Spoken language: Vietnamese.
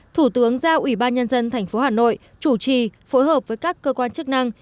thủ tướng giao ủy ban nhân dân tp hà nội chủ trì phối hợp với các cơ quan chức năng